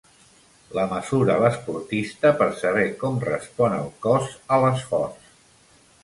La mesura l'esportista per saber com respon el cos a l'esforç.